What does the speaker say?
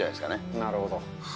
なるほど。